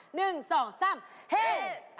เฮ้ย